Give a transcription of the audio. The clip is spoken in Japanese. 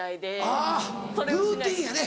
あぁルーティンやね。